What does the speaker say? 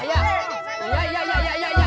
iya iya iya pelan pelan pelan pelan